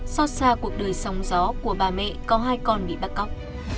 xót xa cuộc đời sóng gió của bà mẹ có hai con bị bắt cóc